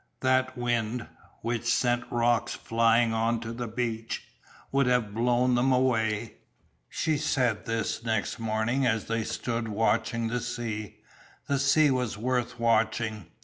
That wind, which sent rocks flying on to the beach, would have blown them away. She said this next morning as they stood watching the sea. The sea was worth watching.